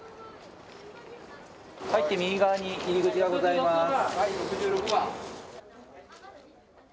入って右側に入り口がございます。